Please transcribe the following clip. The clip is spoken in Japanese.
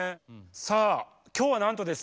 さあ今日はなんとですね